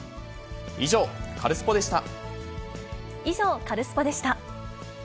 以上、カルスポっ！でした。